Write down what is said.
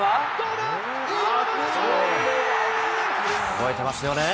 覚えてますよね。